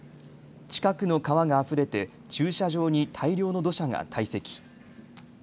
近くの川があふれて駐車場に大量の土砂が堆積。